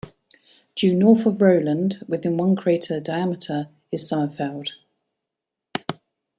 Due north of Rowland, within one crater diameter, is Sommerfeld.